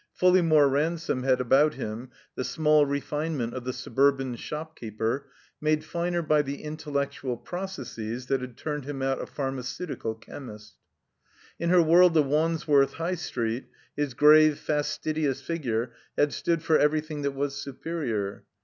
FuUeymore Ransome had about him the small refinement of the suburban shopkeeper, made finer by the intellectual processes that had turned him out a Pharmaceutical Chemist. In her world of Wandsworth High Street his grave, fastidious figure had stood for everything that was superior.